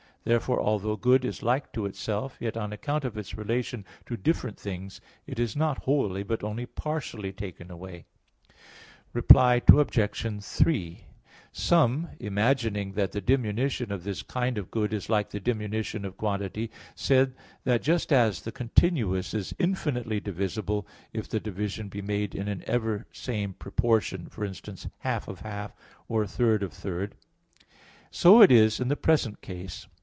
Therefore, although good is like to itself, yet, on account of its relation to different things, it is not wholly, but only partially taken away. Reply Obj. 3: Some, imagining that the diminution of this kind of good is like the diminution of quantity, said that just as the continuous is infinitely divisible, if the division be made in an ever same proportion (for instance, half of half, or a third of a third), so is it in the present case.